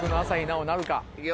いくよ。